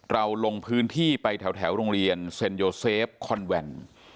ลงพื้นที่ไปแถวโรงเรียนเซ็นโยเซฟคอนแวน